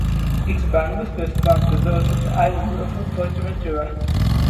Its boundaries correspond to those of the island of Fuerteventura.